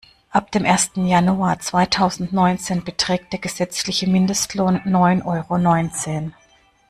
Ab dem ersten Januar zweitausendneunzehn beträgt der gesetzliche Mindestlohn neun Euro neunzehn.